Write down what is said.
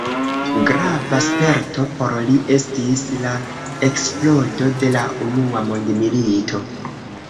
Grava sperto por li estis la eksplodo de la Unua mondmilito.